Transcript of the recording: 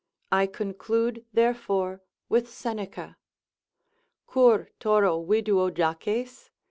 I conclude therefore with Seneca, ———cur Toro viduo jaces?